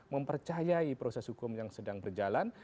mempercayai proses hukum yang sedang berjalan